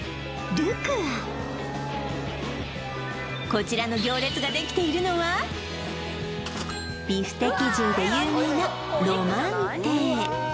こちらの行列ができているのはビフテキ重で有名なロマン亭